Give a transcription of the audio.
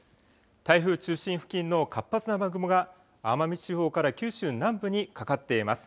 台風中心付近の活発な雨雲が奄美地方から九州南部にかかっています。